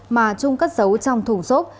mà trung cất giấu trong thùng xốp